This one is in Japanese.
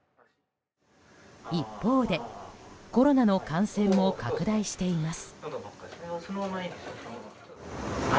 一方でコロナの感染も拡大しています。